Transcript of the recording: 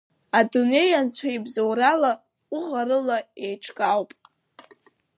Адунеи Анцәа ибзоурала ҟәыӷарыла еиҿкаауп.